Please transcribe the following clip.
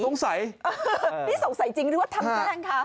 นี่สงสัยจริงหรือว่าทำก้างคะ